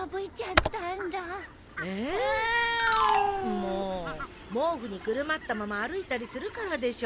もう毛布にくるまったまま歩いたりするからでしょ。